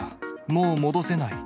もう戻せない。